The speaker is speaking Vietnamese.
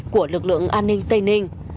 của lực lượng an ninh tây ninh